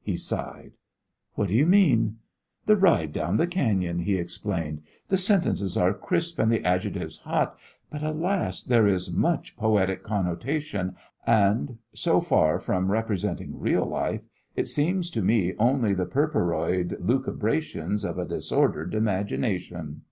He sighed. "What do you mean?" "The ride down the cañon," he explained. "The sentences are crisp and the adjectives hot. But, alas! there is much poetic connotation, and, so far from representing real life, it seems to me only the perperoid lucubrations of a disordered imagination."